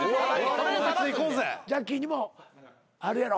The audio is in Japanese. ジャッキーにもあるやろ？